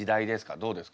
どうですか？